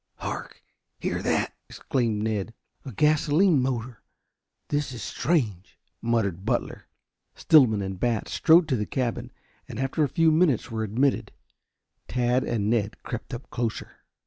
"Hark! Hear that!" exclaimed Ned. "A gasoline motor. This is strange," muttered Butler. Stillman and Batts strode to the cabin and after a few moments were admitted. Tad and Ned crept up closer.